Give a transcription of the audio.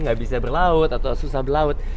nggak bisa berlaut atau susah berlaut